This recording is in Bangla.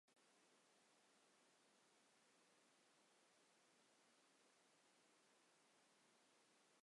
এটি লেখকের লেখা বিনামূল্যে অনলাইন বা অন্য কোন মাধ্যমে প্রকাশ করে।